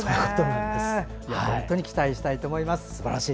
本当に期待したいと思います。